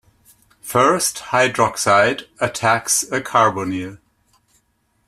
First, hydroxide attacks a carbonyl.